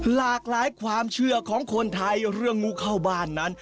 หลากหลายความเชื่อของคนไทยเรื่องงูเข้าบ้านนั้น